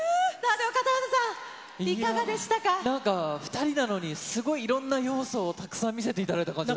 なんか、２人なのに、すごいいろんな要素をたくさん見せていただいた感じがして。